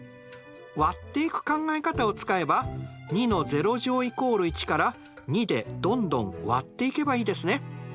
割っていく考え方を使えば２＝１から２でどんどん割っていけばいいですね。